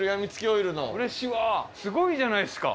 すごいじゃないですか。